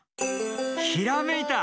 ひらめいた！